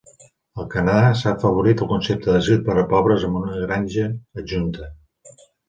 Al Canadà, s'ha afavorit el concepte d'asil per a pobres amb una granja adjunta.